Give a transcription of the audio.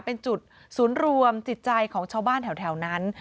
เป็นจุดศูนย์รวมจิตใจของชาวบ้านแถวนั้น